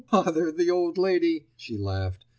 bother the old lady," she laughed.